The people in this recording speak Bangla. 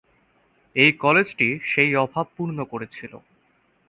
এই কলেজটি সেই অভাব পূর্ন করেছিল।